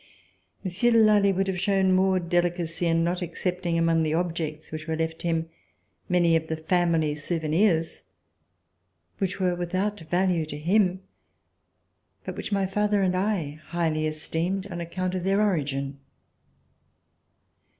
Monsieur de Lally would have shown more delicacy in not accepting, among the objects which were left him, many of the family souvenirs, which were without value to him, but which my father and I highly esteemed on account of their origin.